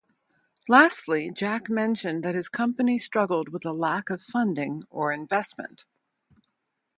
Lastly, Jack mentioned that his company struggled with a lack of funding or investment.